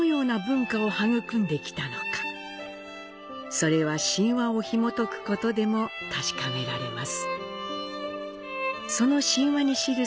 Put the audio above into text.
それは神話をひもとくことでも確かめられます。